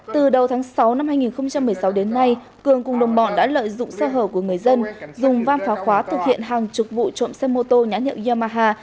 từ đầu tháng sáu năm hai nghìn một mươi sáu đến nay cường cùng đồng bọn đã lợi dụng sơ hở của người dân dùng vam phá khóa thực hiện hàng chục vụ trộm xe mô tô nhãn hiệu yamaha